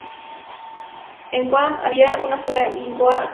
En Guam había una sola sinagoga judía.